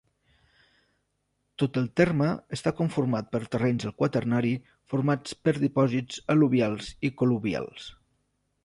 Tot el terme està conformat per terrenys del Quaternari formats per dipòsits al·luvials i col·luvials.